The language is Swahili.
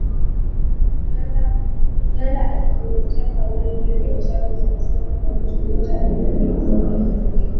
Uganda akizungumzia kauli hiyo ya Chavez alisema kuwa mtu yoyote anayedhania kuwa Idi Amin